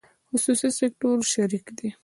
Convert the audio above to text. خصوصي سکتور شریک دی